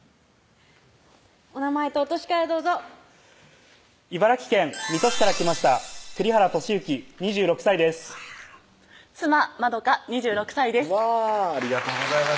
お名前とお歳からどうぞ茨城県水戸市から来ました栗原寿幸２６歳です妻・まどか２６歳ですうわありがとうございます